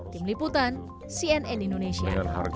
tim liputan cnn indonesia